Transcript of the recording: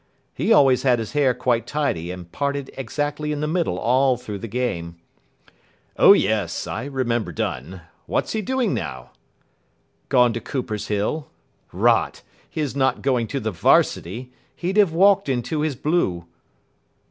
He always had his hair quite tidy and parted exactly in the middle all through the game." "Oh, yes, I remember Dunn. What's he doing now?" "Gone to Coopers Hill. Rot, his not going to the Varsity. He'd have walked into his blue."